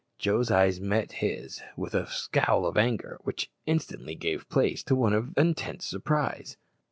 Joe's eyes met his with a scowl of anger, which instantly gave place to one of intense surprise.